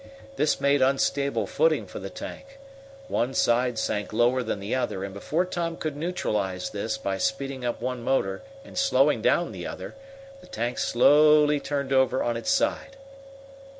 This made unstable footing for the tank. One side sank lower than the other, and before Tom could neutralize this by speeding up one motor and slowing down the other the tank slowly turned over on its side.